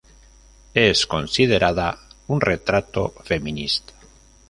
Es considerada un retrato feminista.